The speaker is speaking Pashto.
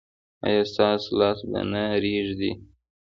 ایا ستاسو لاس به نه ریږدي؟